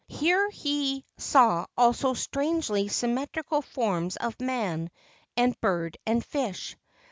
Here he saw also strangely symmetrical forms of man and bird and fish.